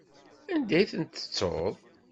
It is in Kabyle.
Anda ay ten-tettuḍ?